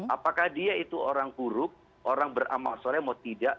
apakah dia itu orang huruf orang beramal sore mau tidak